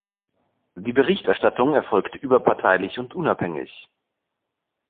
Die Berichterstattung erfolgt überparteilich und unabhängig.